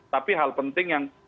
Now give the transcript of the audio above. tapi hal penting yang